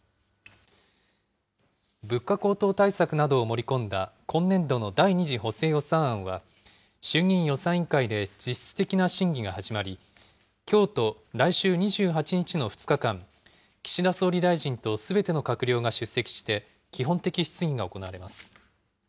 物価高騰対策などを盛り込んだ今年度の第２次補正予算案は、衆議院予算委員会で実質的な審議が始まり、きょうと来週２８日の２日間、岸田総理大臣とすべての閣僚が出席して、基本的質疑が行われます。